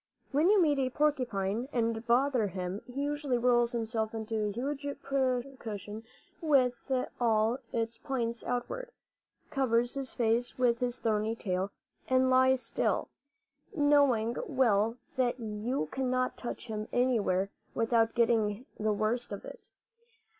When you meet a porcupine and bother him, he usually rolls himself into a huge pincushion with all its points outward, covers his face with his thorny tail, and lies still, knowing well that you cannot touch him anywhere without getting the worst of it.